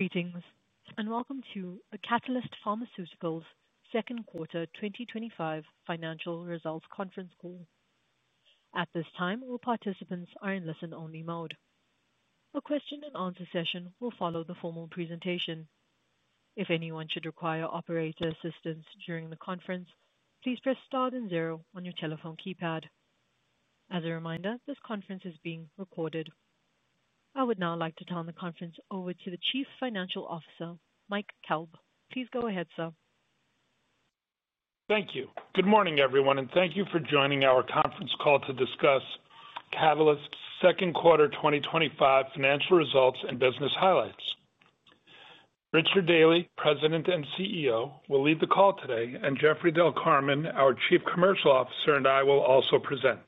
Meetings. Welcome to the Catalyst Pharmaceuticals' second quarter 2025 financial results conference call. At this time, all participants are in listen-only mode. A question and answer session will follow the formal presentation. If anyone should require operator assistance during the conference, please press star then zero on your telephone keypad. As a reminder, this conference is being recorded. I would now like to turn the conference over to the Chief Financial Officer, Mike Kalb. Please go ahead, sir. Thank you. Good morning, everyone, and thank you for joining our conference call to discuss Catalyst Pharmaceuticals' second quarter 2025 financial results and business highlights. Richard Daly, President and CEO, will lead the call today, and Jeffrey Del Carmen, our Chief Commercial Officer, and I will also present.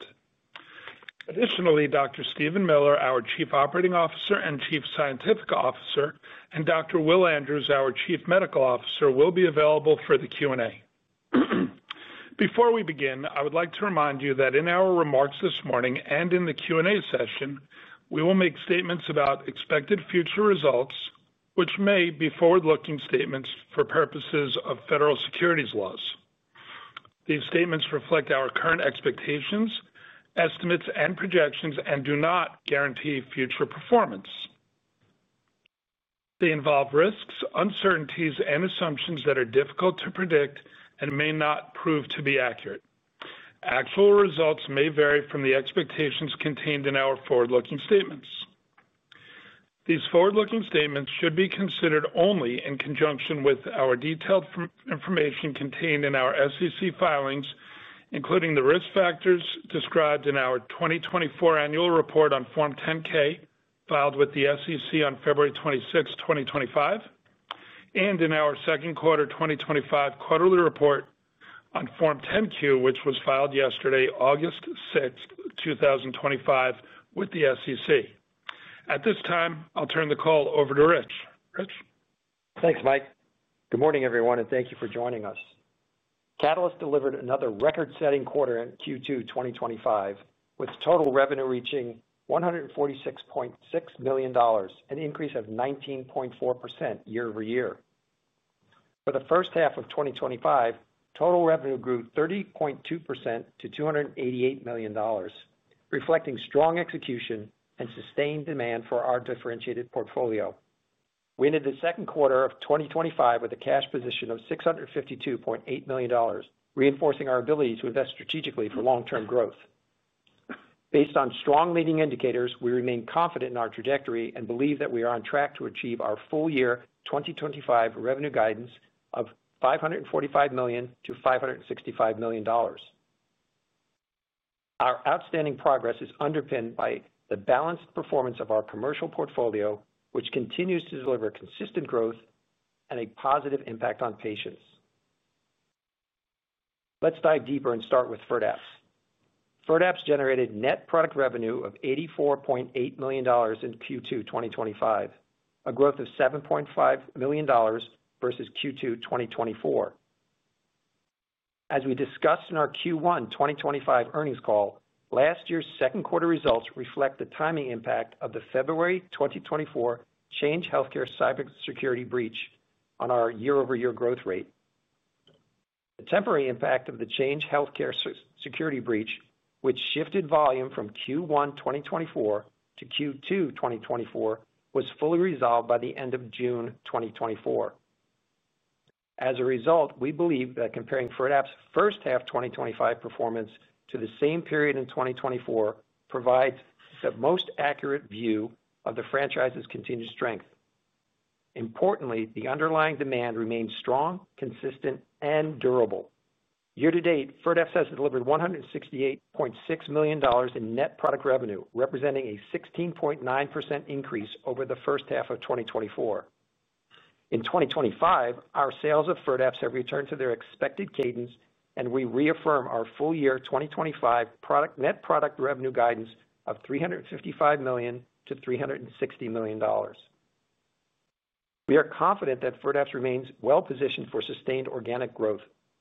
Additionally, Dr. Steven Miller, our Chief Operating Officer and Chief Scientific Officer, and Dr. Will Andrews, our Chief Medical Officer, will be available for the Q&A. Before we begin, I would like to remind you that in our remarks this morning and in the Q&A session, we will make statements about expected future results, which may be forward-looking statements for purposes of federal securities laws. These statements reflect our current expectations, estimates, and projections, and do not guarantee future performance. They involve risks, uncertainties, and assumptions that are difficult to predict and may not prove to be accurate. Actual results may vary from the expectations contained in our forward-looking statements. These forward-looking statements should be considered only in conjunction with our detailed information contained in our SEC filings, including the risk factors described in our 2024 annual report on Form 10-K filed with the SEC on February 26, 2025, and in our second quarter 2025 quarterly report on Form 10-Q, which was filed yesterday, August 6, 2025, with the SEC. At this time, I'll turn the call over to Rich. Rich? Thanks, Mike. Good morning, everyone, and thank you for joining us. Catalyst delivered another record-setting quarter in Q2 2025, with total revenue reaching $146.6 million, an increase of 19.4% year-over-year. For the first half of 2025, total revenue grew 30.2% to $288 million, reflecting strong execution and sustained demand for our differentiated portfolio. We ended the second quarter of 2025 with a cash position of $652.8 million, reinforcing our ability to invest strategically for long-term growth. Based on strong leading indicators, we remain confident in our trajectory and believe that we are on track to achieve our full-year 2025 revenue guidance of $545 million - $565 million. Our outstanding progress is underpinned by the balanced performance of our commercial portfolio, which continues to deliver consistent growth and a positive impact on patients. Let's dive deeper and start with FIRDAPSE. FIRDAPSE generated net product revenue of $84.8 million in Q2 2025, a growth of $7.5 million versus Q2 2024. As we discussed in our Q1 2025 earnings call, last year's second quarter results reflect the timely impact of the February 2024 Change Healthcare Cybersecurity Breach on our year-over-year growth rate. The temporary impact of the Change Healthcare Security Breach, which shifted volume from Q1 2024 to Q2 2024, was fully resolved by the end of June 2024. As a result, we believe that comparing FIRDAPSE's first half 2025 performance to the same period in 2024 provides the most accurate view of the franchise's continued strength. Importantly, the underlying demand remains strong, consistent, and durable. Year to date, FIRDAPSE has delivered $168.6 million in net product revenue, representing a 16.9% increase over the first half of 2024. In 2025, our sales of FIRDAPSE have returned to their expected cadence, and we reaffirm our full-year 2025 net product revenue guidance of $355 million - $360 million. We are confident that FIRDAPSE remains well-positioned for sustained organic growth,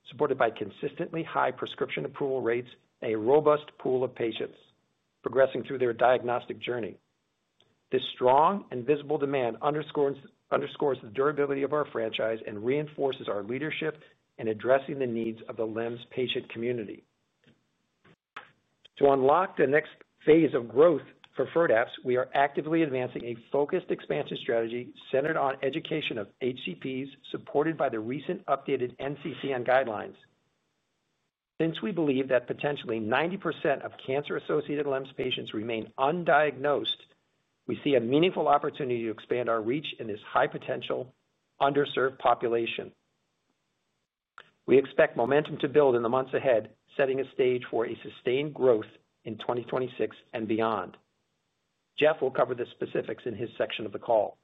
supported by consistently high prescription approval rates and a robust pool of patients progressing through their diagnostic journey. This strong and visible demand underscores the durability of our franchise and reinforces our leadership in addressing the needs of the LEMS patient community. To unlock the next phase of growth for FIRDAPSE, we are actively advancing a focused expansion strategy centered on education of HCPs supported by the recent updated NCCN guidelines. Since we believe that potentially 90% of cancer-associated LEMS patients remain undiagnosed, we see a meaningful opportunity to expand our reach in this high-potential underserved population. We expect momentum to build in the months ahead, setting a stage for sustained growth in 2026 and beyond. Jeff will cover the specifics in his section of the call.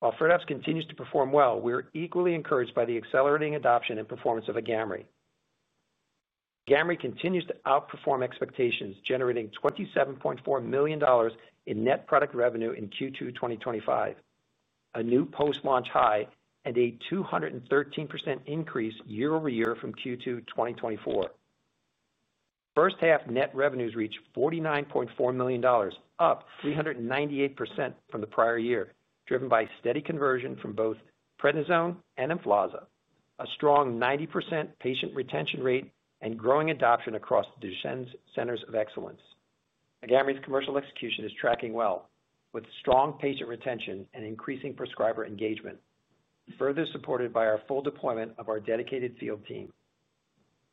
While FIRDAPSE continues to perform well, we are equally encouraged by the accelerating adoption and performance of AGAMREE. AGAMREE continues to outperform expectations, generating $27.4 million in net product revenue in Q2 2025, a new post-launch high and a 213% increase year-over -year from Q2 2024. First half net revenues reached $49.4 million, up 398% from the prior year, driven by steady conversion from both prednisone and deflazacort, a strong 90% patient retention rate, and growing adoption across the Duchenne Centers of Excellence. AGAMREE's commercial execution is tracking well, with strong patient retention and increasing prescriber engagement, further supported by our full deployment of our dedicated field team.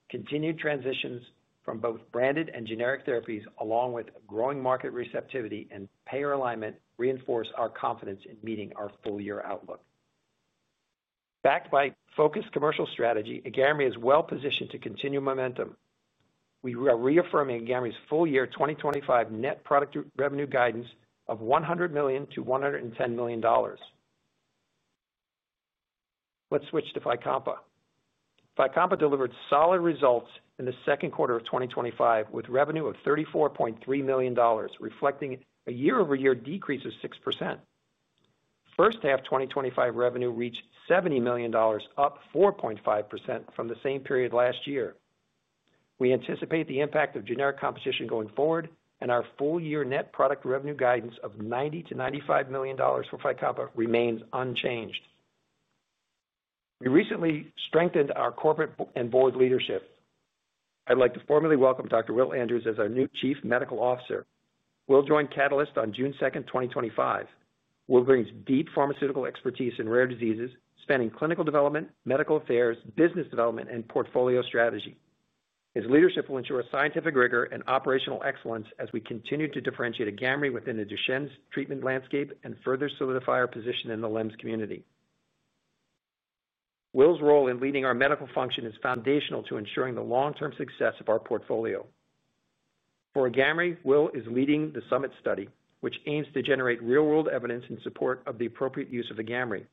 Continued transitions from both branded and generic therapies, along with growing market receptivity and payer alignment, reinforce our confidence in meeting our full-year outlook. Backed by focused commercial strategy, AGAMREE is well-positioned to continue momentum. We are reaffirming AGAMREE's full-year 2025 net product revenue guidance of $100 million - $110 million. Let's switch to FYCOMPA. FYCOMPA delivered solid results in the second quarter of 2025, with revenue of $34.3 million, reflecting a year-over-year decrease of 6%. First half 2025 revenue reached $70 million, up 4.5% from the same period last year. We anticipate the impact of generic competition going forward, and our full-year net product revenue guidance of $90 million - $95 million for FYCOMPA remains unchanged. We recently strengthened our corporate and board leadership. I'd like to formally welcome Dr. Will Andrews as our new Chief Medical Officer. Will joined Catalyst on June 2nd, 2025. Will brings deep pharmaceutical expertise in rare diseases, spanning clinical development, medical affairs, business development, and portfolio strategy. His leadership will ensure scientific rigor and operational excellence as we continue to differentiate AGAMREE within the Duchenne treatment landscape and further solidify our position in the LEMS community. Will's role in leading our medical function is foundational to ensuring the long-term success of our portfolio. For AGAMREE, Will is leading the Summit study, which aims to generate real-world evidence in support of the appropriate use of AGAMREE.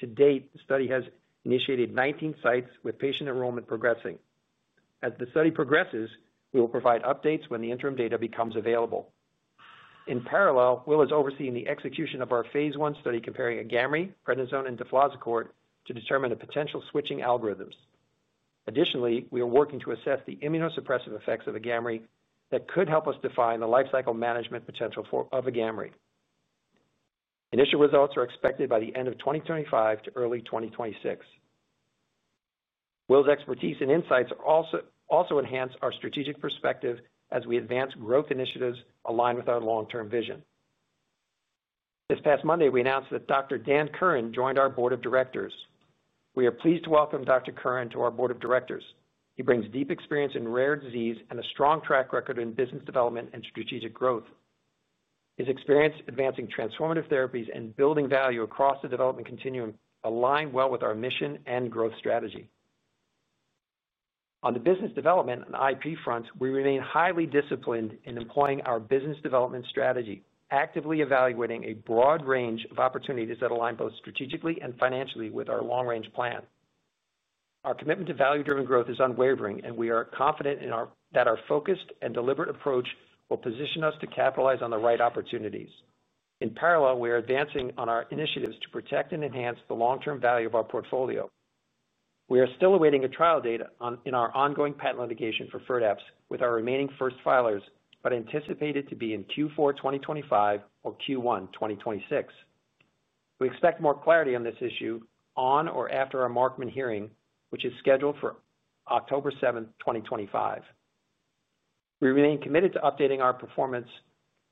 To date, the study has initiated 19 sites, with patient enrollment progressing. As the study progresses, we will provide updates when the interim data becomes available. In parallel, Will is overseeing the execution of our phase I study, comparing AGAMREE, prednisone, and deflazacort to determine a potential switching algorithm. Additionally, we are working to assess the immunosuppressive effects of AGAMREE that could help us define the lifecycle management potential for AGAMREE. Initial results are expected by the end of 2025 to early 2026. Will's expertise and insights also enhance our strategic perspective as we advance growth initiatives aligned with our long-term vision. This past Monday, we announced that Dr. Dan Curran joined our Board of Directors. We are pleased to welcome Dr. Curran to our Board of Directors. He brings deep experience in rare disease and a strong track record in business development and strategic growth. His experience advancing transformative therapies and building value across the development continuum aligns well with our mission and growth strategy. On the business development and IP front, we remain highly disciplined in employing our business development strategy, actively evaluating a broad range of opportunities that align both strategically and financially with our long-range plan. Our commitment to value-driven growth is unwavering, and we are confident that our focused and deliberate approach will position us to capitalize on the right opportunities. In parallel, we are advancing on our initiatives to protect and enhance the long-term value of our portfolio. We are still awaiting a trial date in our ongoing patent litigation for FIRDAPSE with our remaining first filers, but anticipate it to be in Q4 2025 or Q1 2026. We expect more clarity on this issue on or after our Markman hearing, which is scheduled for October 7th, 2025. We remain committed to updating our performance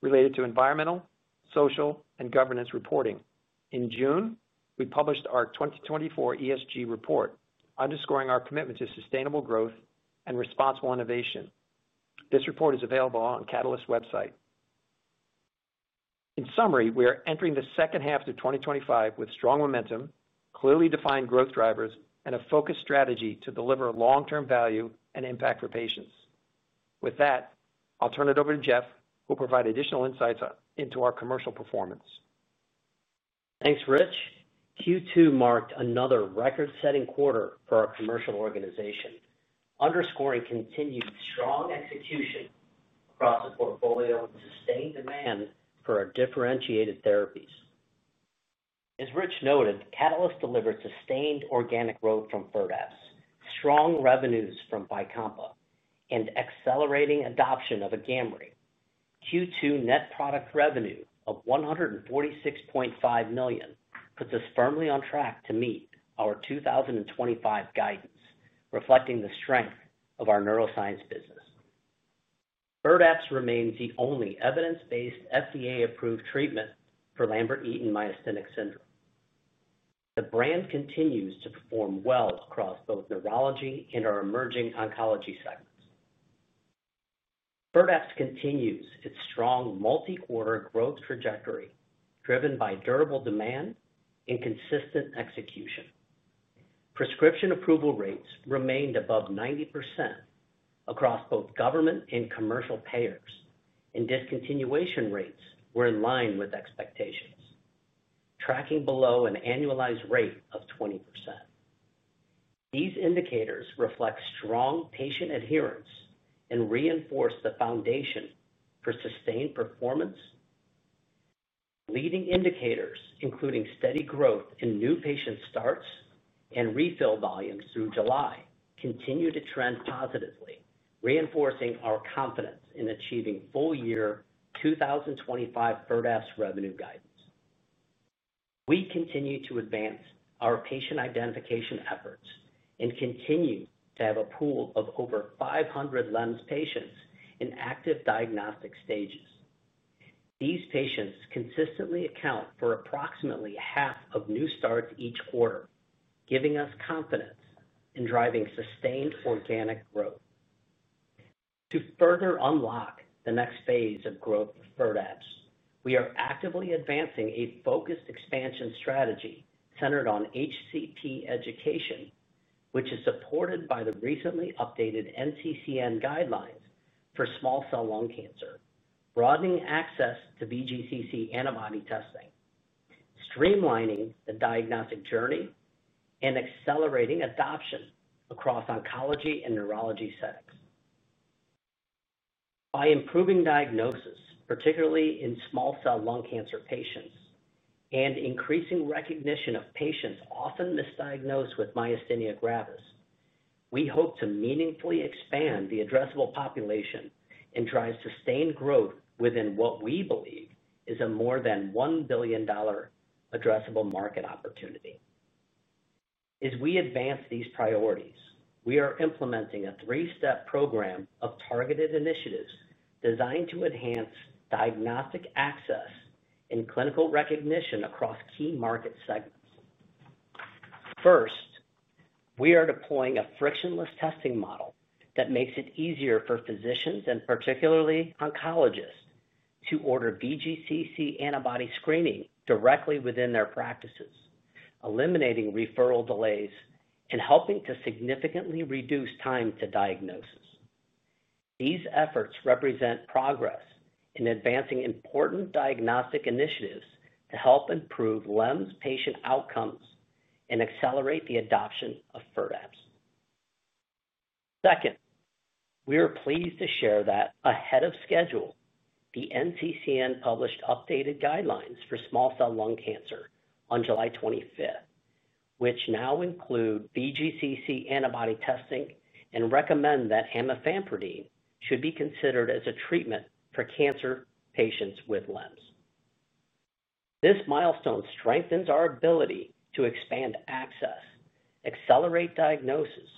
related to environmental, social, and governance reporting. In June, we published our 2024 ESG report, underscoring our commitment to sustainable growth and responsible innovation. This report is available on the Catalyst website. In summary, we are entering the second half of 2025 with strong momentum, clearly defined growth drivers, and a focused strategy to deliver long-term value and impact for patients. With that, I'll turn it over to Jeff, who will provide additional insights into our commercial performance. Thanks, Rich. Q2 marked another record-setting quarter for our commercial organization, underscoring continued strong execution across the portfolio and sustained demand for our differentiated therapies. As Rich noted, Catalyst delivered sustained organic growth from FIRDAPSE, strong revenues from FYCOMPA, and accelerating adoption of AGAMREE. Q2 net product revenue of $146.5 million puts us firmly on track to meet our 2025 guidance, reflecting the strength of our neuroscience business. FIRDAPSE remains the only evidence-based FDA-approved treatment for Lambert-Eaton myasthenic syndrome. The brand continues to perform well across both neurology and our emerging oncology segments. FIRDAPSE continues its strong multi-quarter growth trajectory, driven by durable demand and consistent execution. Prescription approval rates remained above 90% across both government and commercial payers, and discontinuation rates were in line with expectations, tracking below an annualized rate of 20%. These indicators reflect strong patient adherence and reinforce the foundation for sustained performance. Leading indicators, including steady growth in new patient starts and refill volumes through July, continue to trend positively, reinforcing our confidence in achieving full-year 2025 FIRDAPSE revenue guidance. We continue to advance our patient identification efforts and continue to have a pool of over 500 LEMS patients in active diagnostic stages. These patients consistently account for approximately half of new starts each quarter, giving us confidence in driving sustained organic growth. To further unlock the next phase of growth for FIRDAPSE, we are actively advancing a focused expansion strategy centered on HCP education, which is supported by the recently updated NCCN guidelines for small cell lung cancer, broadening access to VGCC antibody testing, streamlining the diagnostic journey, and accelerating adoption across oncology and neurology settings. By improving diagnosis, particularly in small cell lung cancer patients, and increasing recognition of patients often misdiagnosed with myasthenia gravis, we hope to meaningfully expand the addressable population and drive sustained growth within what we believe is a more than $1 billion addressable market opportunity. As we advance these priorities, we are implementing a three-step program of targeted initiatives designed to enhance diagnostic access and clinical recognition across key market segments. First, we are deploying a frictionless testing model that makes it easier for physicians and particularly oncologists to order VGCC antibody screening directly within their practices, eliminating referral delays and helping to significantly reduce time to diagnosis. These efforts represent progress in advancing important diagnostic initiatives to help improve LEMS patient outcomes and accelerate the adoption of FIRDAPSE. Second, we are pleased to share that ahead of schedule, the NCCN published updated guidelines for small cell lung cancer on July 25th, which now include VGCC antibody testing and recommend that amifampridine should be considered as a treatment for cancer patients with LEMS. This milestone strengthens our ability to expand access, accelerate diagnosis,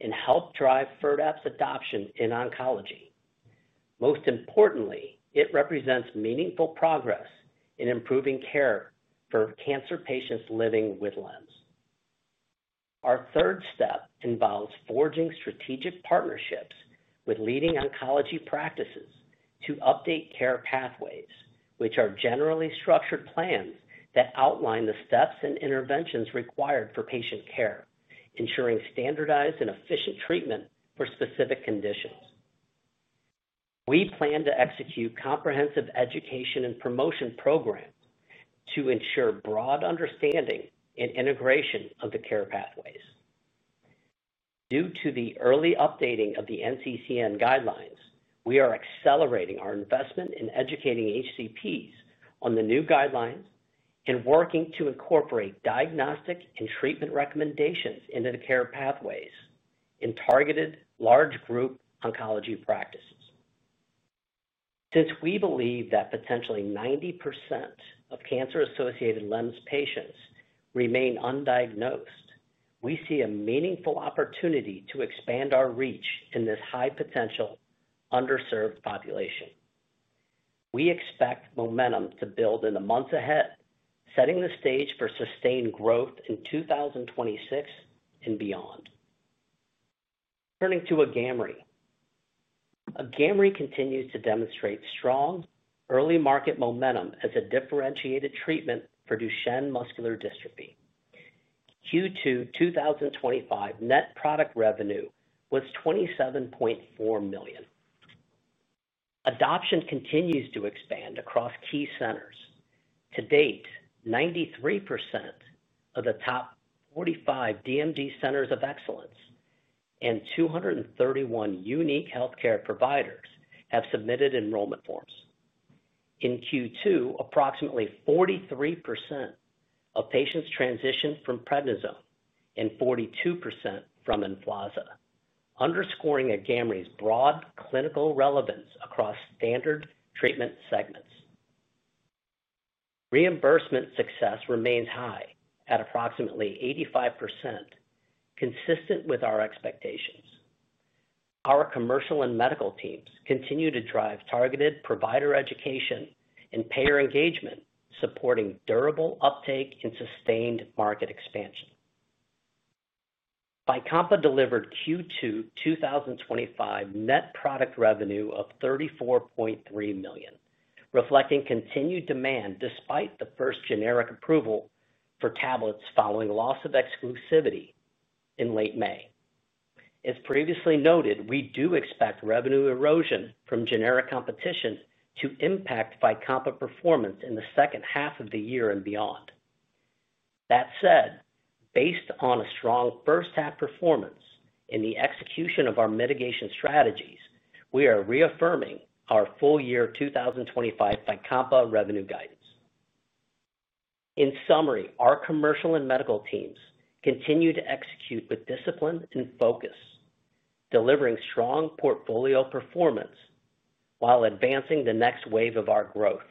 and help drive FIRDAPSE adoption in oncology. Most importantly, it represents meaningful progress in improving care for cancer patients living with LEMS. Our third step involves forging strategic partnerships with leading oncology practices to update care pathways, which are generally structured plans that outline the steps and interventions required for patient care, ensuring standardized and efficient treatment for specific conditions. We plan to execute comprehensive education and promotion programs to ensure broad understanding and integration of the care pathways. Due to the early updating of the NCCN guidelines, we are accelerating our investment in educating HCPs on the new guidelines and working to incorporate diagnostic and treatment recommendations into the care pathways in targeted large group oncology practices. Since we believe that potentially 90% of cancer-associated LEMS patients remain undiagnosed, we see a meaningful opportunity to expand our reach in this high-potential underserved population. We expect momentum to build in the months ahead, setting the stage for sustained growth in 2026 and beyond. Turning to AGAMREE, AGAMREE continues to demonstrate strong early market momentum as a differentiated treatment for Duchenne muscular dystrophy. Q2 2025 net product revenue was $27.4 million. Adoption continues to expand across key centers. To date, 93% of the top 45 DMD Centers of Excellence and 231 unique healthcare providers have submitted enrollment forms. In Q2, approximately 43% of patients transitioned from prednisone and 42% from deflazacort, underscoring AGAMREE's broad clinical relevance across standard treatment segments. Reimbursement success remains high at approximately 85%, consistent with our expectations. Our commercial and medical teams continue to drive targeted provider education and payer engagement, supporting durable uptake and sustained market expansion. FYCOMPA delivered Q2 2025 net product revenue of $34.3 million, reflecting continued demand despite the first generic approval for tablets following loss of exclusivity in late May. As previously noted, we do expect revenue erosion from generic competition to impact FYCOMPA performance in the second half of the year and beyond. That said, based on a strong first-half performance in the execution of our mitigation strategies, we are reaffirming our full-year 2025 FYCOMPA revenue guidance. In summary, our commercial and medical teams continue to execute with discipline and focus, delivering strong portfolio performance while advancing the next wave of our growth,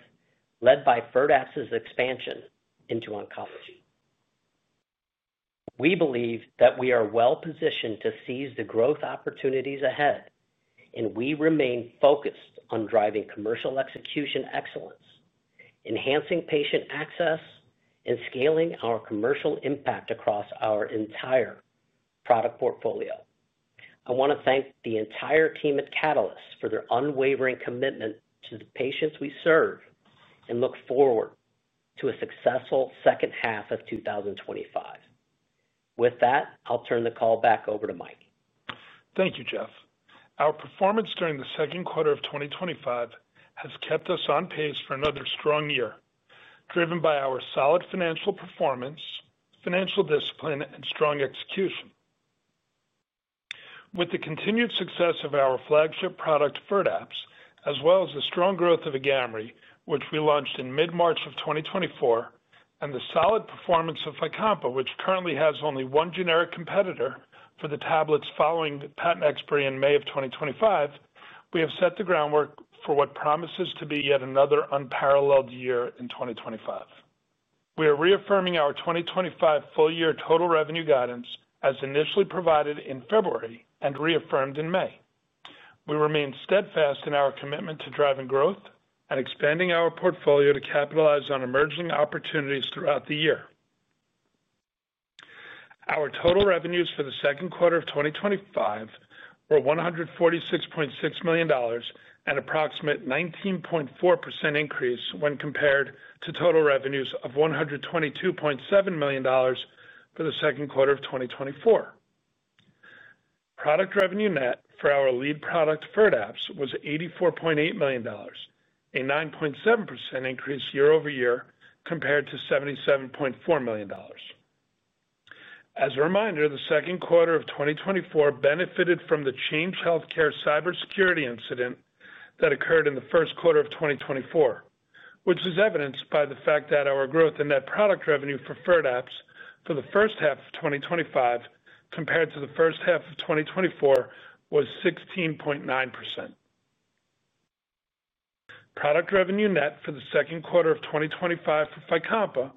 led by FIRDAPSE's expansion into oncology. We believe that we are well-positioned to seize the growth opportunities ahead, and we remain focused on driving commercial execution excellence, enhancing patient access, and scaling our commercial impact across our entire product portfolio. I want to thank the entire team at Catalyst for their unwavering commitment to the patients we serve and look forward to a successful second half of 2025. With that, I'll turn the call back over to Mike. Thank you, Jeff. Our performance during the second quarter of 2025 has kept us on pace for another strong year, driven by our solid financial performance, financial discipline, and strong execution. With the continued success of our flagship product, FIRDAPSE, as well as the strong growth of AGAMREE, which we launched in mid-March of 2024, and the solid performance of FYCOMPA, which currently has only one generic competitor for the tablets following patent expiry in May of 2025, we have set the groundwork for what promises to be yet another unparalleled year in 2025. We are reaffirming our 2025 full-year total revenue guidance as initially provided in February and reaffirmed in May. We remain steadfast in our commitment to driving growth and expanding our portfolio to capitalize on emerging opportunities throughout the year. Our total revenues for the second quarter of 2025 were $146.6 million and an approximate 19.4% increase when compared to total revenues of $122.7 million for the second quarter of 2024. Product revenue net for our lead product, FIRDAPSE, was $84.8 million, a 9.7% increase year-over -year compared to $77.4 million. As a reminder, the second quarter of 2024 benefited from the Change Healthcare Cybersecurity Incident that occurred in the first quarter of 2024, which is evidenced by the fact that our growth in net product revenue for FIRDAPSE for the first half of 2025 compared to the first half of 2024 was 16.9%. Product revenue net for the second quarter of 2025 for FYCOMPA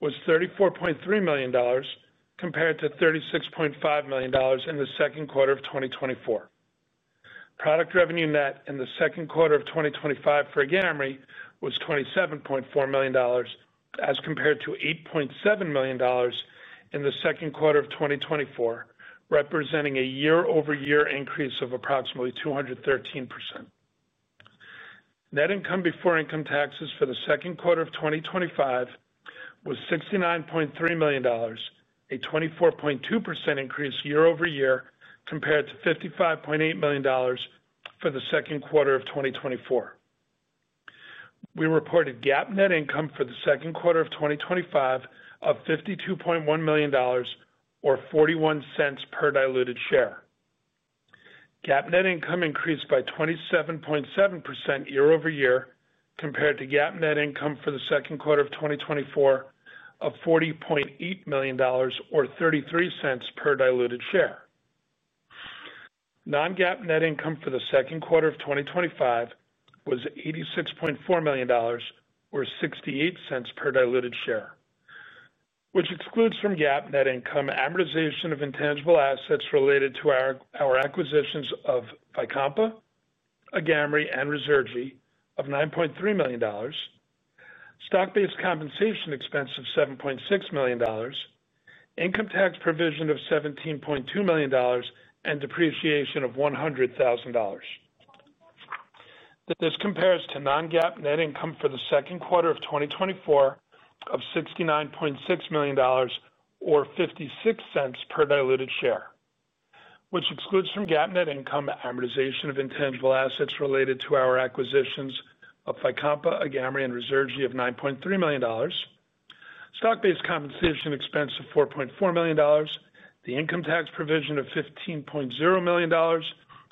was $34.3 million compared to $36.5 million in the second quarter of 2024. Product revenue net in the second quarter of 2025 for AGAMREE was $27.4 million as compared to $8.7 million in the second quarter of 2024, representing a year-over-year increase of approximately 213%. Net income before income taxes for the second quarter of 2025 was $69.3 million, a 24.2% increase year-over-year compared to $55.8 million for the second quarter of 2024. We reported GAAP net income for the second quarter of 2025 of $52.1 million or $0.41 per diluted share. GAAP net income increased by 27.7% year-over-year compared to GAAP net income for the second quarter of 2024 of $40.8 million or $0.33 per diluted share. Non-GAAP net income for the second quarter of 2025 was $86.4 million or $0.68 per diluted share, which excludes from GAAP net income amortization of intangible assets related to our acquisitions of FYCOMPA, AGAMREE, and Ruzurgi of $9.3 million, stock-based compensation expense of $7.6 million, income tax provision of $17.2 million, and depreciation of $100,000. This compares to non-GAAP net income for the second quarter of 2024 of $69.6 million or $0.56 per diluted share, which excludes from GAAP net income amortization of intangible assets related to our acquisitions of FYCOMPA, AGAMREE, and Ruzurgi of $9.3 million, stock-based compensation expense of $4.4 million, the income tax provision of $15.0 million,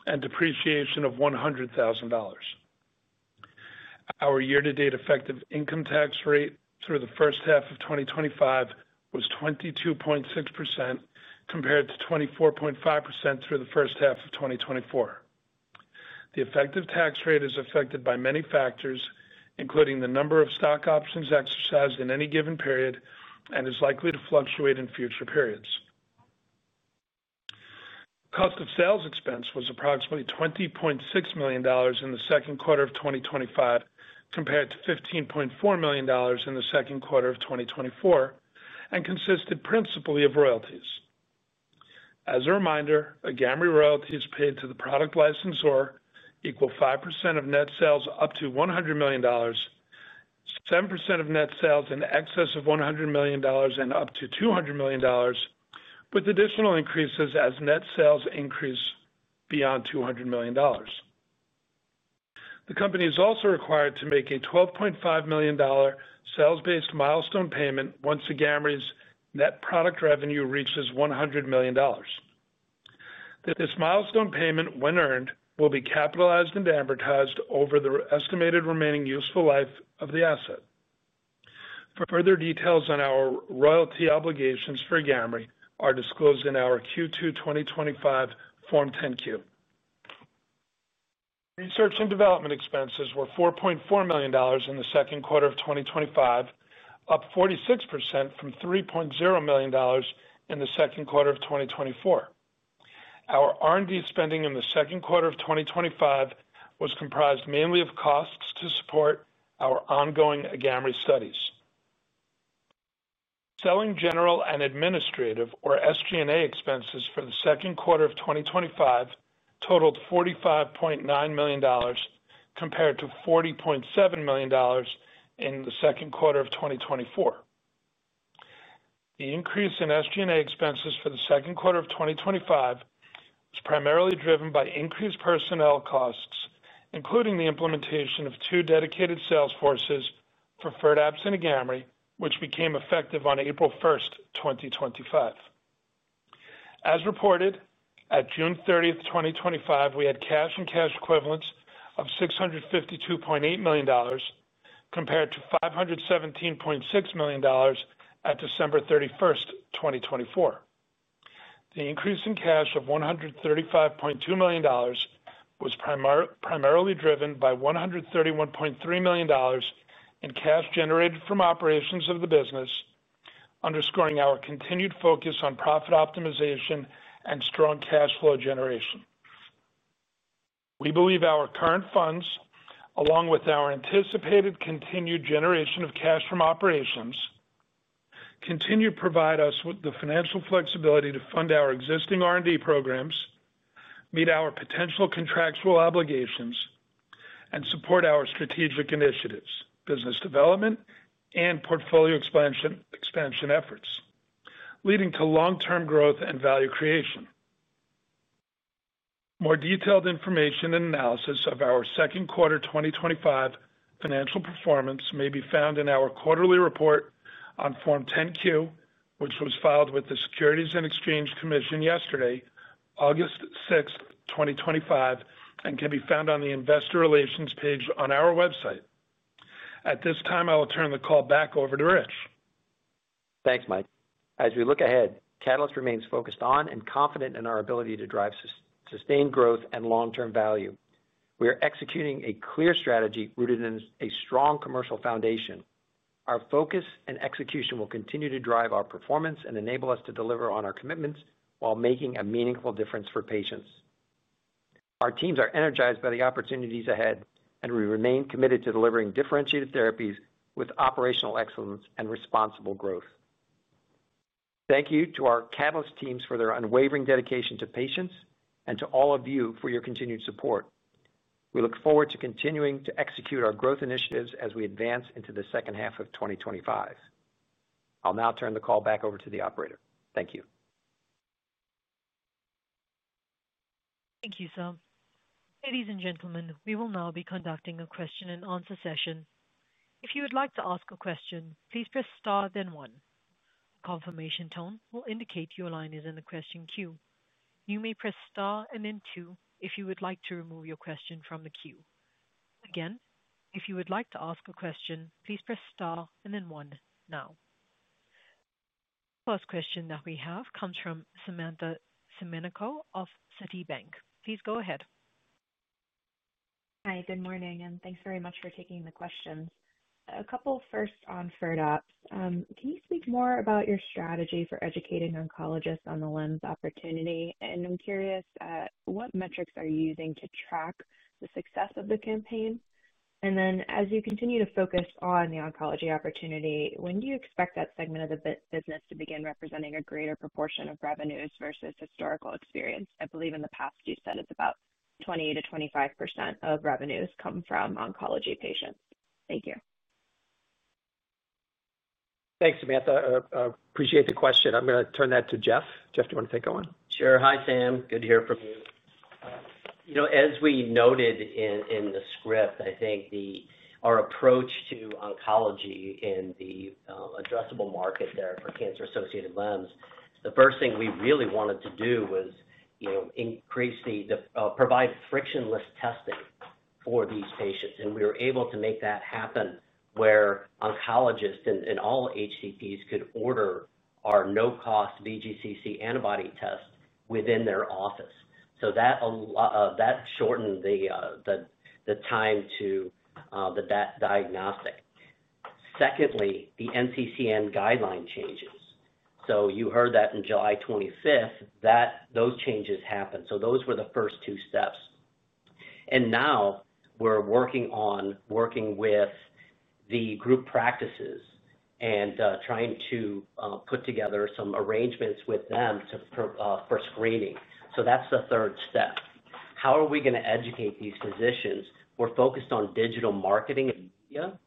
and depreciation of $100,000. Our year-to-date effective income tax rate through the first half of 2025 was 22.6% compared to 24.5% through the first half of 2024. The effective tax rate is affected by many factors, including the number of stock options exercised in any given period and is likely to fluctuate in future periods. Cost of sales expense was approximately $20.6 million in the second quarter of 2025 compared to $15.4 million in the second quarter of 2024 and consisted principally of royalties. As a reminder, AGAMREE royalties paid to the product licensor equal 5% of net sales up to $100 million, 7% of net sales in excess of $100 million, and up to $200 million, with additional increases as net sales increase beyond $200 million. The company is also required to make a $12.5 million sales-based milestone payment once AGAMREE's net product revenue reaches $100 million. This milestone payment, when earned, will be capitalized and amortized over the estimated remaining useful life of the asset. For further details on our royalty obligations for AGAMREE, are disclosed in our Q2 2025 Form 10-Q. Research and development expenses were $4.4 million in the second quarter of 2025, up 46% from $3.0 million in the second quarter of 2024. Our R&D spending in the second quarter of 2025 was comprised mainly of costs to support our ongoing AGAMREE studies. Selling, general and administrative or SG&A expenses for the second quarter of 2025 totaled $45.9 million compared to $40.7 million in the second quarter of 2024. The increase in SG&A expenses for the second quarter of 2025 was primarily driven by increased personnel costs, including the implementation of two dedicated sales forces for FIRDAPSE and AGAMREE, which became effective on April 1st, 2025. As reported, at June 30, 2025, we had cash and cash equivalents of $652.8 million compared to $517.6 million at December 31st, 2024. The increase in cash of $135.2 million was primarily driven by $131.3 million in cash generated from operations of the business, underscoring our continued focus on profit optimization and strong cash flow generation. We believe our current funds, along with our anticipated continued generation of cash from operations, continue to provide us with the financial flexibility to fund our existing R&D programs, meet our potential contractual obligations, and support our strategic initiatives, business development, and portfolio expansion efforts, leading to long-term growth and value creation. More detailed information and analysis of our second quarter 2025 financial performance may be found in our quarterly report on Form 10-Q, which was filed with the Securities and Exchange Commission yesterday, August 6, 2025, and can be found on the Investor Relations page on our website. At this time, I will turn the call back over to Rich. Thanks, Mike. As we look ahead, Catalyst remains focused on and confident in our ability to drive sustained growth and long-term value. We are executing a clear strategy rooted in a strong commercial foundation. Our focus and execution will continue to drive our performance and enable us to deliver on our commitments while making a meaningful difference for patients. Our teams are energized by the opportunities ahead, and we remain committed to delivering differentiated therapies with operational excellence and responsible growth. Thank you to our Catalyst teams for their unwavering dedication to patients and to all of you for your continued support. We look forward to continuing to execute our growth initiatives as we advance into the second half of 2025. I'll now turn the call back over to the operator. Thank you. Thank you, Sam. Ladies and gentlemen, we will now be conducting a question and answer session. If you would like to ask a question, please press star, then one. The confirmation tone will indicate your line is in the question queue. You may press star and then two if you would like to remove your question from the queue. Again, if you would like to ask a question, please press star and then one now. The first question that we have comes from Samantha Simonico of Citibank. Please go ahead. Hi, good morning, and thanks very much for taking the questions. A couple first on FIRDAPSE. Can you speak more about your strategy for educating oncologists on the LEMS opportunity? I'm curious, what metrics are you using to track the success of the campaign? As you continue to focus on the oncology opportunity, when do you expect that segment of the business to begin representing a greater proportion of revenues versus historical experience? I believe in the past you said it's about 20% - 25% of revenues come from oncology patients. Thank you. Thanks, Samantha. I appreciate the question. I'm going to turn that to Jeff. Jeff, do you want to take it on? Sure. Hi, Sam. Good to hear from you. As we noted in the script, I think our approach to oncology in the addressable market there for cancer-associated LEMS, the first thing we really wanted to do was increase, provide frictionless testing for these patients. We were able to make that happen where oncologists and all HCPs could order our no-cost VGCC antibody test within their office. That shortened the time to the diagnostic. Secondly, the NCCN guideline changes. You heard that on July 25th, those changes happened. Those were the first two steps. Now we're working on working with the group practices and trying to put together some arrangements with them for screening. That's the third step. How are we going to educate these physicians? We're focused on digital marketing and media.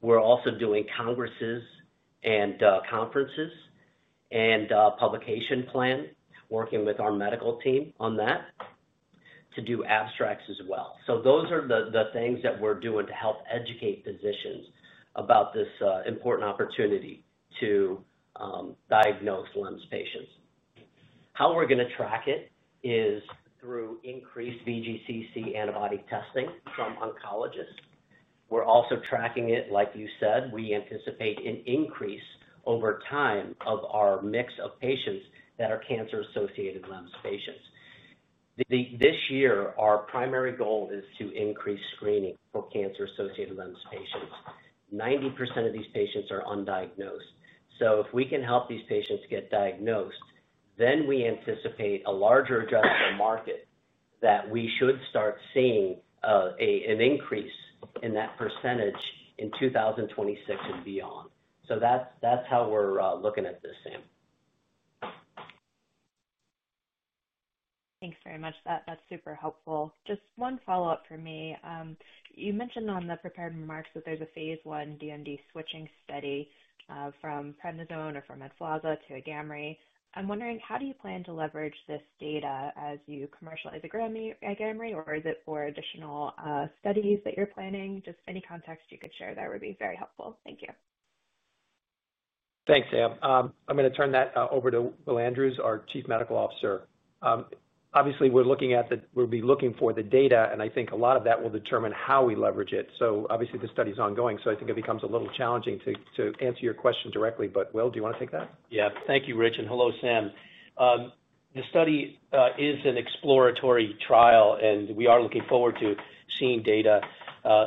We're also doing congresses and conferences and publication plans, working with our medical team on that to do abstracts as well. Those are the things that we're doing to help educate physicians about this important opportunity to diagnose LEMS patients. How we're going to track it is through increased VGCC antibody testing from oncologists. We're also tracking it, like you said, we anticipate an increase over time of our mix of patients that are cancer-associated LEMS patients. This year, our primary goal is to increase screening for cancer-associated LEMS patients. 90% of these patients are undiagnosed. If we can help these patients get diagnosed, then we anticipate a larger market that we should start seeing an increase in that percentage in 2026 and beyond. That's how we're looking at this, Sam. Thanks very much. That's super helpful. Just one follow-up for me. You mentioned on the prepared remarks that there's a phase I DMD switching study from prednisone or from deflazacort to AGAMREE. I'm wondering, how do you plan to leverage this data as you commercialize AGAMREE, or is it for additional studies that you're planning? Just any context you could share there would be very helpful. Thank you. Thanks, Sam. I'm going to turn that over to Will Andrews, our Chief Medical Officer. Obviously, we're looking at the, we'll be looking for the data, and I think a lot of that will determine how we leverage it. The study is ongoing, so I think it becomes a little challenging to answer your question directly. Will, do you want to take that? Thank you, Rich, and hello, Sam. The study is an exploratory trial. We are looking forward to seeing data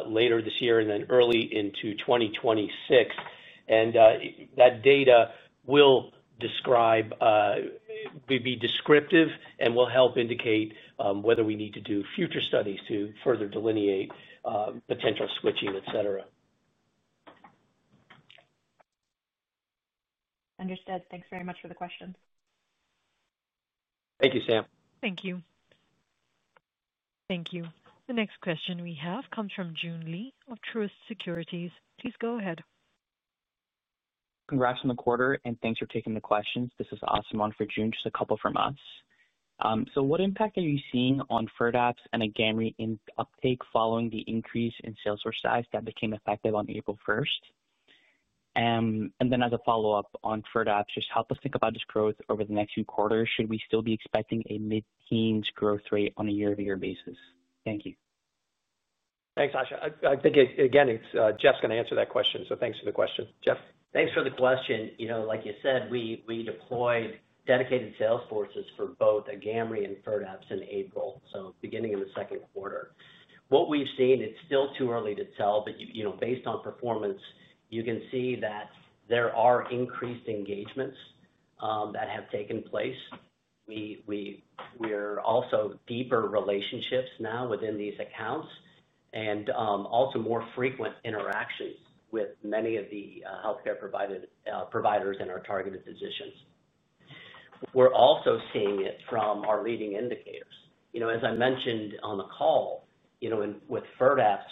later this year and early into 2026. That data will be descriptive and will help indicate whether we need to do future studies to further delineate potential switching, et cetera. Understood. Thanks very much for the question. Thank you, Sam. Thank you. Thank you. The next question we have comes from Joon Lee of Truist Securities. Please go ahead. Congrats on the quarter, and thanks for taking the questions. This is Asuman for Joon, just a couple from us. What impact are you seeing on FIRDAPSE and AGAMREE in uptake following the increase in sales force size that became effective on April 1st? As a follow-up on FIRDAPSE, just help us think about this growth over the next few quarters. Should we still be expecting a mid-teens growth rate on a year-over-year basis? Thank you. Thanks, Asha. I think, again, it's Jeff's going to answer that question, so thanks for the question. Jeff? Thanks for the question. Like you said, we deployed dedicated sales forces for both AGAMREE and FIRDAPSE in April, so beginning in the second quarter. What we've seen, it's still too early to tell, but based on performance, you can see that there are increased engagements that have taken place. We are also deeper relationships now within these accounts and also more frequent interactions with many of the healthcare providers and our targeted physicians. We're also seeing it from our leading indicators. As I mentioned on the call, with FIRDAPSE,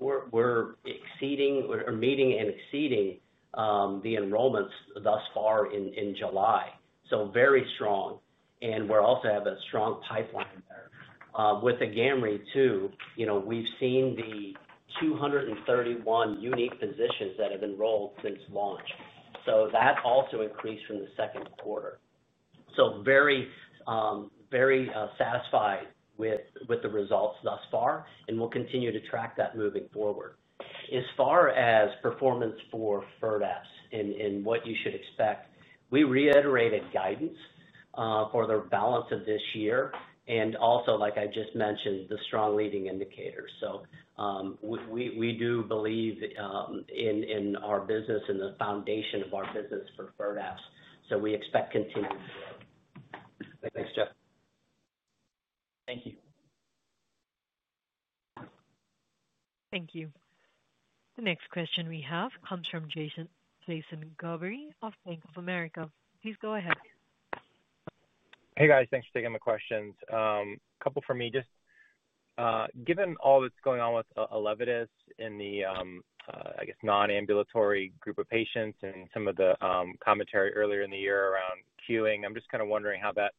we're meeting and exceeding the enrollments thus far in July. Very strong, and we also have a strong pipeline there. With AGAMREE too, we've seen the 231 unique physicians that have enrolled since launch. That also increased from the second quarter. Very, very satisfied with the results thus far, and we'll continue to track that moving forward. As far as performance for FIRDAPSE and what you should expect, we reiterated guidance for the balance of this year and also, like I just mentioned, the strong leading indicators. We do believe in our business and the foundation of our business for FIRDAPSE, so we expect continued growth. Thanks, Jeff. Thank you. Thank you. The next question we have comes from Jason Gerberry of Bank of America. Please go ahead. Hey guys, thanks for taking my questions. A couple for me. Just given all that's going on with a Elevidys in the, I guess, non-ambulatory group of patients and some of the commentary earlier in the year around queuing, I'm just kind of wondering how that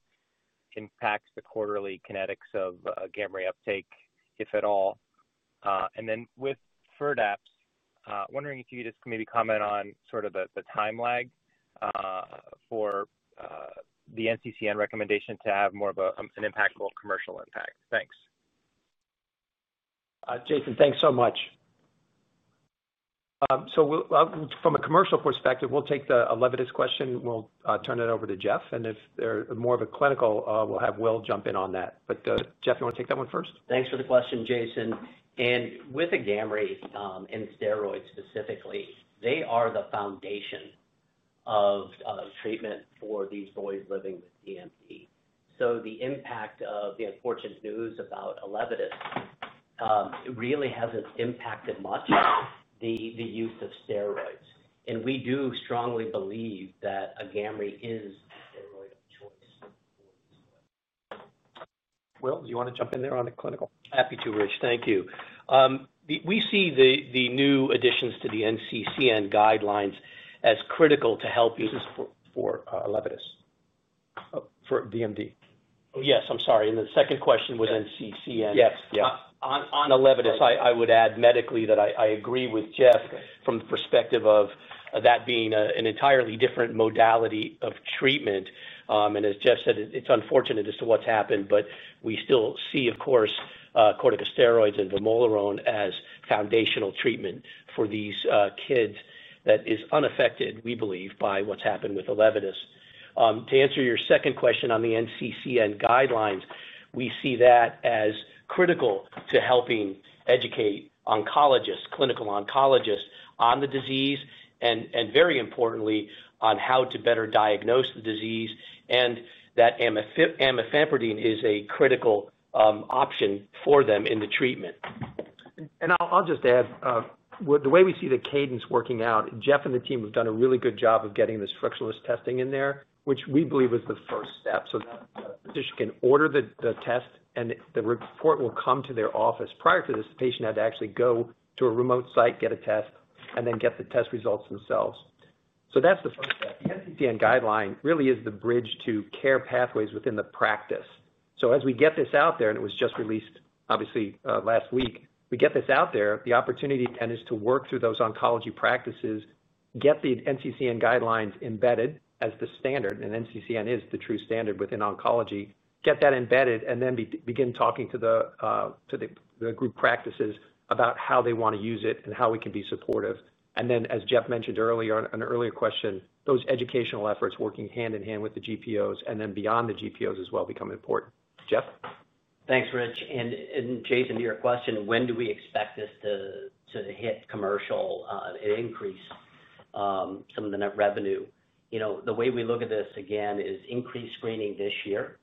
impacts the quarterly kinetics of AGAMREE uptake, if at all. With FIRDAPSE, wondering if you could just maybe comment on sort of the time lag for the NCCN recommendation to have more of an impactful commercial impact. Thanks. Jason, thanks so much. From a commercial perspective, we'll take the Elevidys question. We'll turn it over to Jeff, and if there's more of a clinical, we'll have Will jump in on that. Jeff, you want to take that one first? Thanks for the question, Jason. With AGAMREE and steroids specifically, they are the foundation of treatment for these boys living with DMD. The impact of the unfortunate news about Elevidys really hasn't impacted much the use of steroids. We do strongly believe that AGAMREE is the steroid of choice. Will, do you want to jump in there on a clinical? Happy to, Rich. Thank you. We see the new additions to the NCCN guidelines as critical to helping for Elevidys. For DMD? Yes, I'm sorry. The second question was NCCN. Yes. On lElevidys, I would add medically that I agree with Jeff from the perspective of that being an entirely different modality of treatment. As Jeff said, it's unfortunate as to what's happened, but we still see, of course, corticosteroids and AGAMREE as foundational treatment for these kids that are unaffected, we believe, by what's happened with the Elevidys. To answer your second question on the NCCN guidelines, we see that as critical to helping educate oncologists, clinical oncologists on the disease, and very importantly, on how to better diagnose the disease. FIRDAPSE is a critical option for them in the treatment. I'll just add, the way we see the cadence working out, Jeff and the team have done a really good job of getting this frictionless testing in there, which we believe was the first step. The physician can order the test, and the report will come to their office. Prior to this, the patient had to actually go to a remote site, get a test, and then get the test results themselves. That's the first step. The NCCN guideline really is the bridge to care pathways within the practice. As we get this out there, and it was just released, obviously, last week, we get this out there, the opportunity then is to work through those oncology practices, get the NCCN guidelines embedded as the standard, and NCCN is the true standard within oncology, get that embedded, and then begin talking to the group practices about how they want to use it and how we can be supportive. As Jeff mentioned earlier, on an earlier question, those educational efforts working hand in hand with the GPOs and then beyond the GPOs as well become important. Jeff? Thanks, Rich. Jason, to your question, when do we expect this to hit commercial and increase some of the net revenue? The way we look at this, again, is increased screening this year,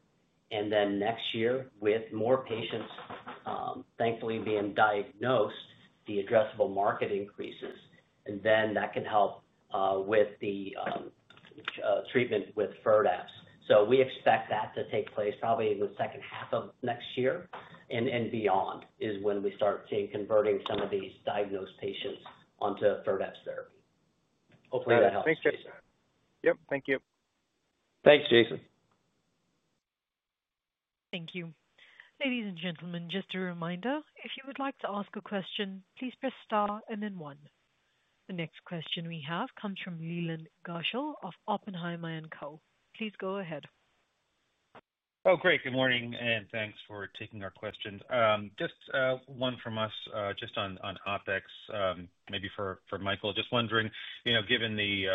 and then next year with more patients, thankfully, being diagnosed, the addressable market increases, and that can help with the treatment with FIRDAPSE. We expect that to take place probably in the second half of next year and beyond is when we start seeing converting some of these diagnosed patients onto FIRDAPSE therapy. Hopefully, that helps. Thanks, Jeff. Thank you. Thanks, Jason. Thank you. Ladies and gentlemen, just a reminder, if you would like to ask a question, please press star and then one. The next question we have comes from Leland Gershell of Oppenheimer & Co. Please go ahead. Oh, great. Good morning, and thanks for taking our questions. Just one from us, just on optics, maybe for Michael. Just wondering, you know, given the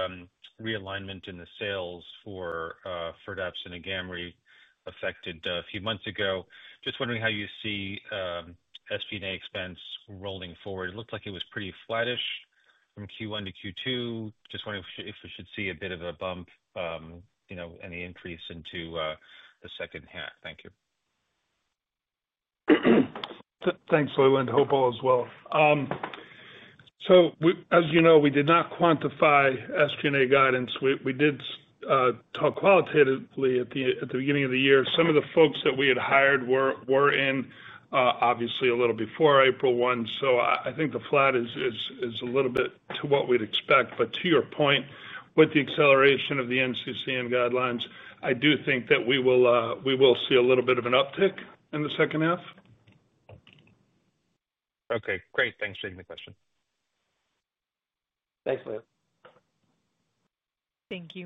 realignment in the sales for FIRDAPSE and AGAMREE affected a few months ago, just wondering how you see SG&A expense rolling forward. It looked like it was pretty flattish from Q1 to Q2. Just wondering if we should see a bit of a bump, you know, any increase into the second half. Thank you. Thanks, Leland. Hope all is well. As you know, we did not quantify SG&A guidance. We did talk qualitatively at the beginning of the year. Some of the folks that we had hired were in, obviously, a little before April 1. I think the flat is a little bit to what we'd expect. With the acceleration of the NCCN guidelines, I do think that we will see a little bit of an uptick in the second half. Okay, great. Thanks for taking the question. Thanks, Leland. Thank you.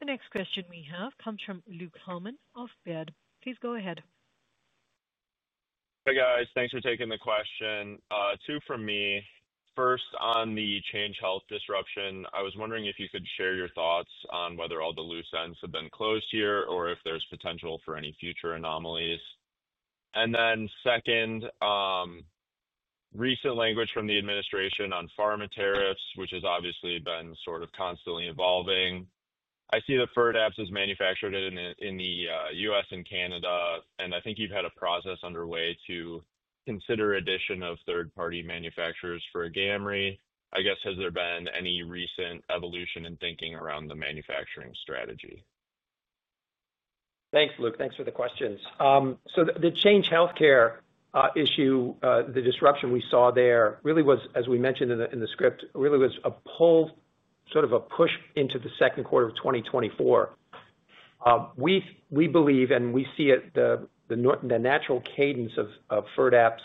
The next question we have comes from Luke Herrmann of Baird. Please go ahead. Hey guys, thanks for taking the question. Two from me. First, on the Change Health disruption, I was wondering if you could share your thoughts on whether all the loose ends have been closed here or if there's potential for any future anomalies. Second, recent language from the administration on pharma tariffs, which has obviously been sort of constantly evolving. I see that FIRDAPSE is manufactured in the U.S. and Canada, and I think you've had a process underway to consider the addition of third-party manufacturers for AGAMREE. I guess, has there been any recent evolution in thinking around the manufacturing strategy? Thanks, Luke. Thanks for the questions. The Change Healthcare issue, the disruption we saw there really was, as we mentioned in the script, really was a pull, sort of a push into the second quarter of 2024. We believe, and we see it, the natural cadence of FIRDAPSE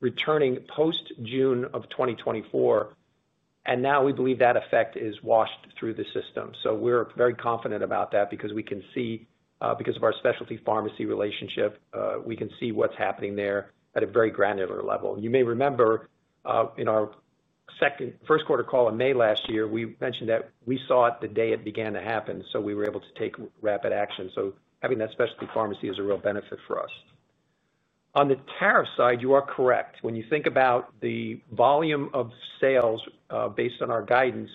returning post-June of 2024, and now we believe that effect is washed through the system. We're very confident about that because we can see, because of our specialty pharmacy relationship, we can see what's happening there at a very granular level. You may remember in our second first quarter call in May last year, we mentioned that we saw it the day it began to happen, so we were able to take rapid action. Having that specialty pharmacy is a real benefit for us. On the tariff side, you are correct. When you think about the volume of sales based on our guidance,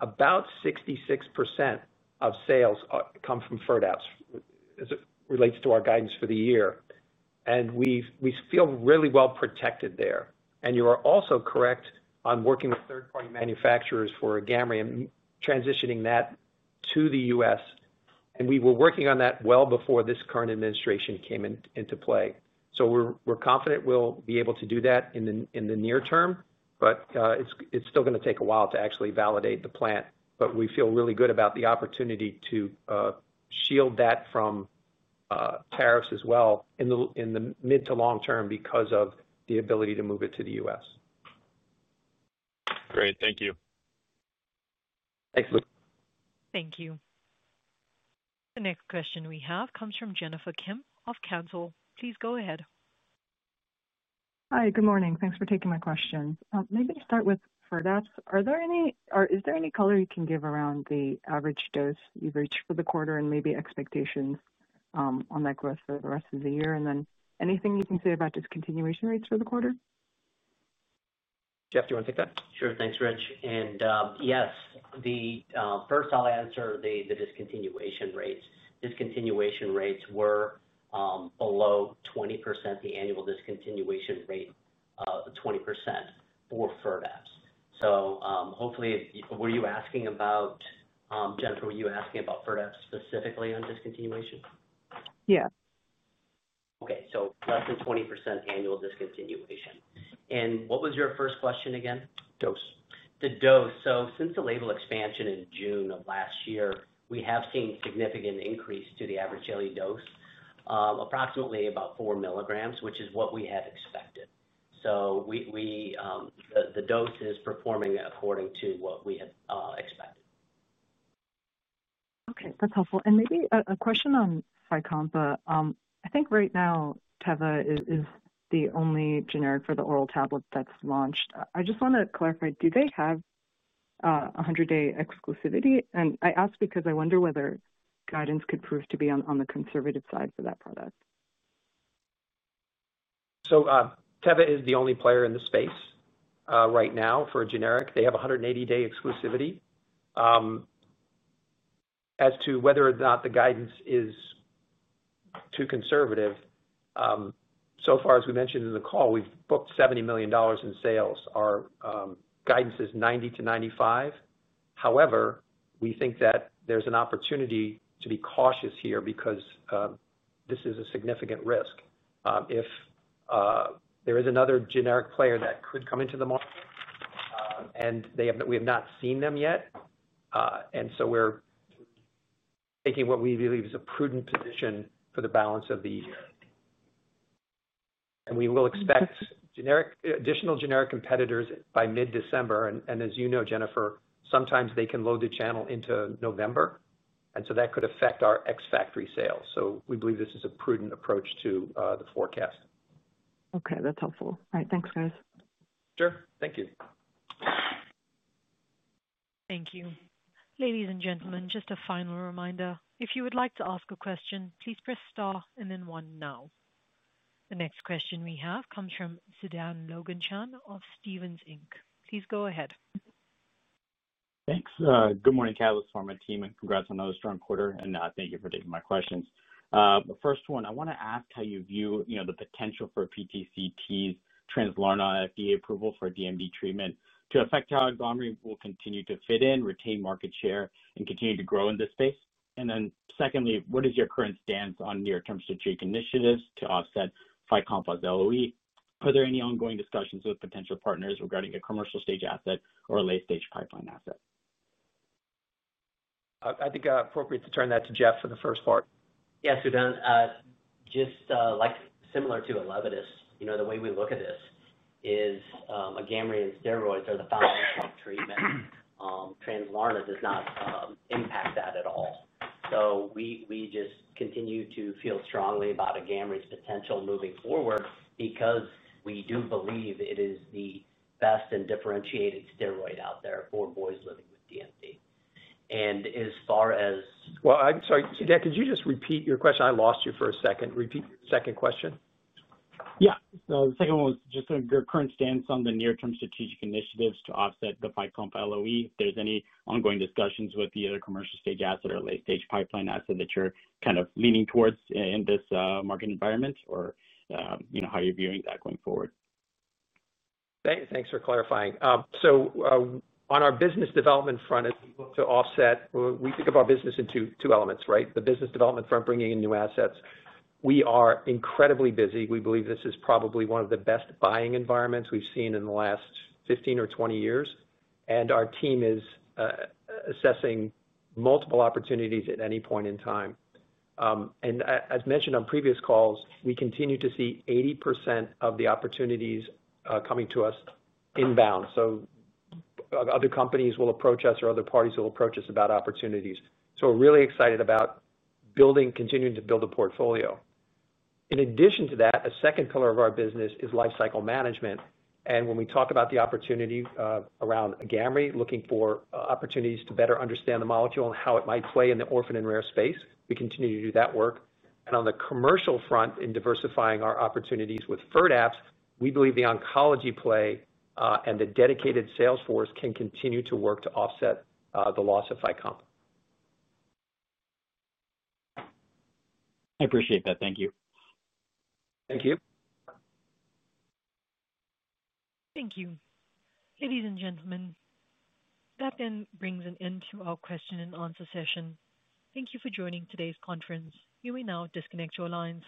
about 66% of sales come from FIRDAPSE as it relates to our guidance for the year. We feel really well protected there. You are also correct on working with third-party manufacturers for AGAMREE and transitioning that to the U.S. We were working on that well before this current administration came into play. We're confident we'll be able to do that in the near term, but it's still going to take a while to actually validate the plan. We feel really good about the opportunity to shield that from tariffs as well in the mid to long term because of the ability to move it to the U.S. Great, thank you. Thanks, Luke. Thank you. The next question we have comes from Jennifer Kim of Cantor. Please go ahead. Hi, good morning. Thanks for taking my question. Maybe to start with FIRDAPSE, is there any color you can give around the average dose you've reached for the quarter and maybe expectations on that growth for the rest of the year? Anything you can say about discontinuation rates for the quarter? Jeff, do you want to take that? Sure, thanks, Rich. Yes, first I'll answer the discontinuation rates. Discontinuation rates were below 20%, the annual discontinuation rate of 20% for FIRDAPSE. Hopefully, were you asking about, Jennifer, were you asking about FIRDAPSE specifically on discontinuation? Yes. Okay, less than 20% annual discontinuation. What was your first question again? Dose. Since the label expansion in June of last year, we have seen a significant increase to the average daily dose, approximately about 4 milligrams, which is what we had expected. The dose is performing according to what we had expected. Okay, that's helpful. Maybe a question on FYCOMPA. I think right now, Teva is the only generic for the oral tablet that's launched. I just want to clarify, do they have a 100-day exclusivity? I ask because I wonder whether guidance could prove to be on the conservative side for that product. Teva is the only player in the space right now for a generic. They have a 180-day exclusivity. As to whether or not the guidance is too conservative, as we mentioned in the call, we've booked $70 million in sales. Our guidance is $90 million - $95 million. However, we think that there's an opportunity to be cautious here because this is a significant risk. If there is another generic player that could come into the market, and we have not seen them yet, we're taking what we believe is a prudent position for the balance of the year, and we will expect additional generic competitors by mid-December. As you know, Jennifer, sometimes they can load the channel into November. That could affect our X Factory sales. We believe this is a prudent approach to the forecast. Okay, that's helpful. All right, thanks, guys. Sure, thank you. Thank you. Ladies and gentlemen, just a final reminder. If you would like to ask a question, please press star and then one now. The next question we have comes from Sudan Loganathan of Stephens Inc. Please go ahead. Thanks. Good morning, Catalyst Pharmaceuticals team, and congrats on another strong quarter, and thank you for taking my questions. The first one, I want to ask how you view the potential for PTC's Translarna FDA approval for a DMD treatment to affect how AGAMREE will continue to fit in, retain market share, and continue to grow in this space. Secondly, what is your current stance on near-term strategic initiatives to offset FYCOMPA's LOE? Are there any ongoing discussions with potential partners regarding a commercial stage asset or a late-stage pipeline asset? I think appropriate to turn that to Jeff for the first part. Yeah, Sudan, just like similar to a Elevidys, you know, the way we look at this is AGAMREE and steroids are the balance of treatment. Translarna does not impact that at all. We just continue to feel strongly about AGAMREE's potential moving forward because we do believe it is the best and differentiated steroid out there for boys living with DMD. As far as. I'm sorry, Sudan, could you just repeat your question? I lost you for a second. Repeat the second question. Yeah, so the second one was just your current stance on the near-term strategic initiatives to offset the FYCOMPA LOE. If there's any ongoing discussions with either a commercial stage asset or a late-stage pipeline asset that you're kind of leaning towards in this market environment, or, you know, how you're viewing that going forward. Thanks for clarifying. On our business development front, as we look to offset, we think of our business in two elements, right? The business development front, bringing in new assets. We are incredibly busy. We believe this is probably one of the best buying environments we've seen in the last 15 or 20 years. Our team is assessing multiple opportunities at any point in time. As mentioned on previous calls, we continue to see 80% of the opportunities coming to us inbound. Other companies will approach us or other parties will approach us about opportunities. We're really excited about building, continuing to build a portfolio. In addition to that, a second pillar of our business is lifecycle management. When we talk about the opportunity around AGAMREE, looking for opportunities to better understand the molecule and how it might play in the orphan and rare space, we continue to do that work. On the commercial front, in diversifying our opportunities with FIRDAPSE, we believe the oncology play and the dedicated sales force can continue to work to offset the loss of FYCOMPA. I appreciate that. Thank you. Thank you. Thank you. Ladies and gentlemen, that then brings an end to our question and answer session. Thank you for joining today's conference. You may now disconnect your lines.